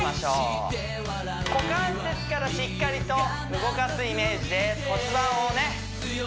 はい股関節からしっかりと動かすイメージです